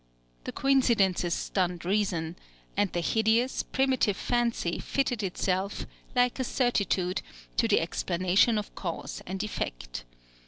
The coincidences stunned reason; and the hideous primitive fancy fitted itself, like a certitude, to the explanation of cause and effect.